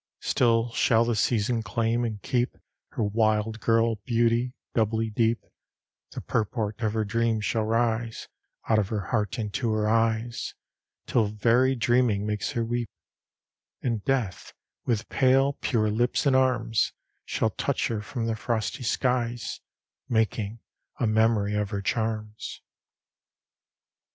Still shall the Season claim and keep Her wild girl beauty; doubly deep The purport of her dreams shall rise Out of her heart into her eyes, Till very dreaming makes her weep; And death, with pale, pure lips and arms, Shall touch her from the frosty skies, Making a memory of her charms.